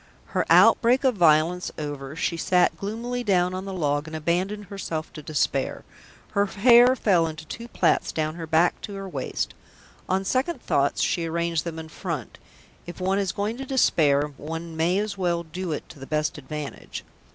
Her outbreak of violence over, she sat gloomily down on the log and abandoned herself to despair. Her hair fell in two plaits down her back to her waist; on second thoughts she arranged them in front if one is going to despair one may as well do it to the best advantage.